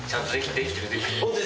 できてる。